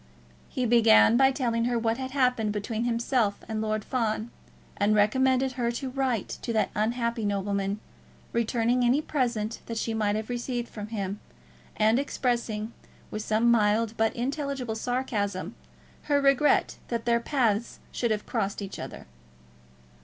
He began by telling her what had happened between himself and Lord Fawn, and recommended her to write to that unhappy nobleman, returning any present that she might have received from him, and expressing, with some mild but intelligible sarcasm, her regret that their paths should have crossed each other.